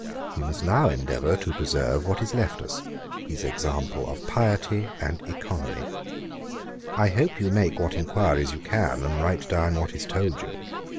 We must now endeavour to preserve what is left us, his example of piety and oeconomy. I hope you make what enquiries you can, and write down what is told you.